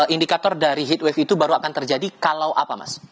indikator dari heat wave itu baru akan terjadi kalau apa mas